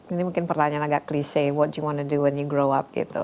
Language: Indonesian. ini mungkin pertanyaan agak klise what you wanna do when you grow up gitu